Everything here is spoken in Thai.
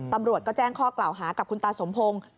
ตำรวจก็แจ้งข้อกล่าวหากับคุณตาสมพงศ์